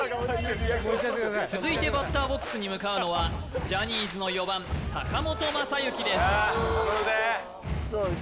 続いてバッターボックスに向かうのはジャニーズの４番坂本昌行です